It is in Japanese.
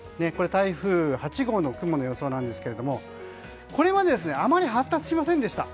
台風８号の雲の予想なんですがこれまであまり発達しませんでした。